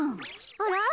あら？